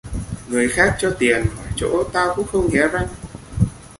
Người khác cho tiền hỏi chỗ tao cũng không hé răng